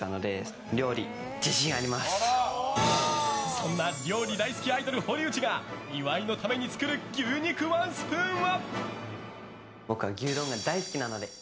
そんな料理大好きアイドル堀内が岩井のために作る牛肉ワンスプーンは？